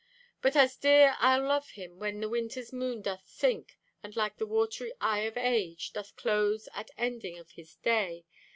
But as dear I'll love him When the winter's moon doth sink; And like the watery eye of age Doth close at ending of his day.